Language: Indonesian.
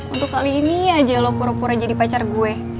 untuk kali ini aja lo pura pura jadi pacar gue